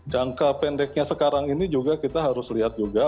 jangka pendeknya sekarang ini juga kita harus lihat juga